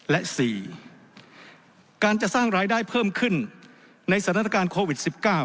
และ๔การจะสร้างรายได้เพิ่มขึ้นในสถานการณ์โควิด๑๙